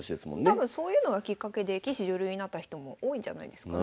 多分そういうのがきっかけで棋士・女流になった人も多いんじゃないですかね。